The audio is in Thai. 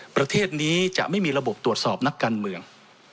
ประเทศนี้จะไม่มีระบบตรวจสอบนักการเมือง